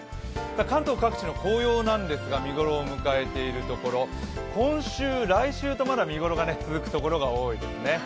関東各地の紅葉なんですけど見頃を迎えているところ今週、来週とまだ見頃が続く所が多いですね。